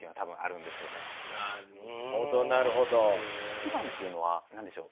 一番っていうのは何でしょう